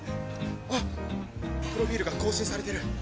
あっプロフィールが更新されてる。